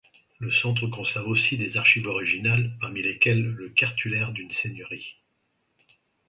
Le Centre conserve aussi des archives originales, parmi lesquelles le cartulaire d’une seigneurie.